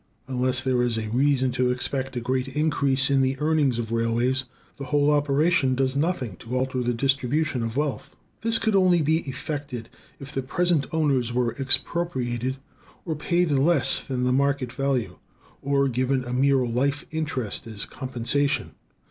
Unless there is reason to expect a great increase in the earnings of railways, the whole operation does nothing to alter the distribution of wealth. This could only be effected if the present owners were expropriated, or paid less than the market value, or given a mere life interest as compensation.